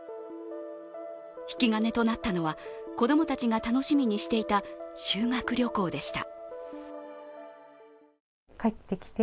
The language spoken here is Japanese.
引き金となったのは、子供たちが楽しみにしていた修学旅行でした。